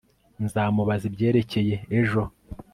Nzamubaza ibyerekeye ejo